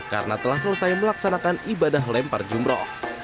karena telah selesai melaksanakan ibadah lempar jumroh